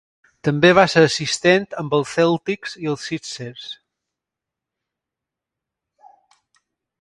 També va ser assistent amb els Celtics i els Sixers.